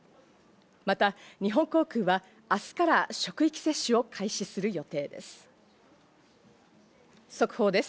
また日本航空は明日から職域接種を開始する予定です。